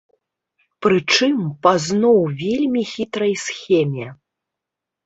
Прычым, па зноў вельмі хітрай схеме.